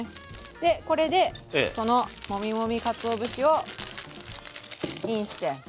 でこれでそのモミモミかつお節をインして。